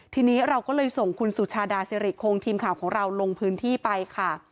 ทีนี้เราก็เลยส่งคุณสุชาดาสิริคงทีมข่าวของเราลงพื้นที่ไปค่ะ